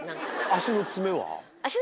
足の爪は。